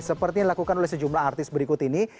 seperti yang dilakukan oleh sejumlah artis berikut ini